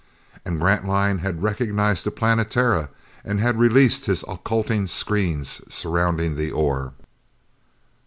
And Grantline had recognized the Planetara, and had released his occulting screens surrounding the ore.